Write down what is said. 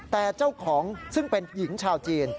แต่เจ้าของซึ่งเป็นหญิงชาวจีน